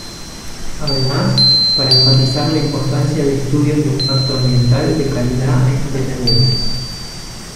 Además, para enfatizar la importancia de estudios de impacto ambiental de calidad e independientes.